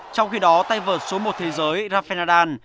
trong khi đó tay vợt số một thế giới rafael nadal